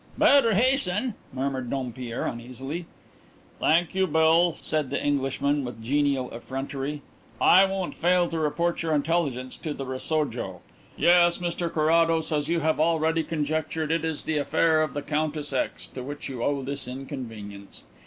"Better hasten," murmured Dompierre uneasily. "Thank you, Bill," said the Englishman, with genial effrontery. "I won't fail to report your intelligence to the Rasojo. Yes, Mr Carrados, as you have already conjectured, it is the affair of the Countess X. to which you owe this inconvenience.